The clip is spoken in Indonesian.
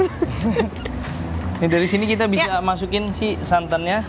nah dari sini kita bisa masukin si santannya